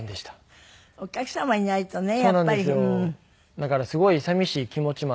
だからすごい寂しい気持ちもあって。